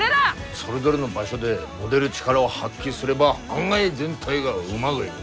それぞれの場所で持でる力を発揮すれば案外全体がうまぐいぐ。